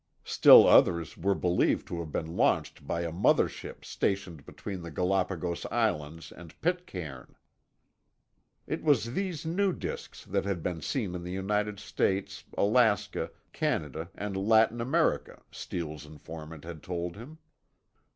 Still others were believed to have been launched by a mother ship stationed between the Galapagos Islands and Pitcairn. It was these new disks that had been seen in the United States, Alaska, Canada, and Latin America, Steele's informant had told him.